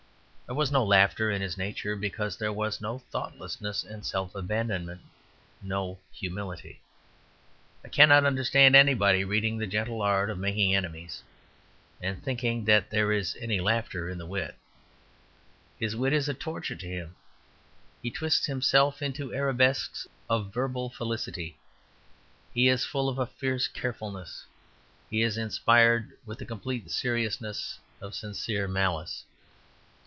There was no laughter in his nature; because there was no thoughtlessness and self abandonment, no humility. I cannot understand anybody reading "The Gentle Art of Making Enemies" and thinking that there is any laughter in the wit. His wit is a torture to him. He twists himself into arabesques of verbal felicity; he is full of a fierce carefulness; he is inspired with the complete seriousness of sincere malice.